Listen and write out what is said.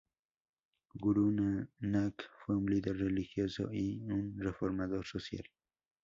Gurú Nanak fue un líder religioso y un reformador social.